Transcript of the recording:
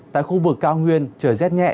tại khu vực cao nguyên trời rét nhẹ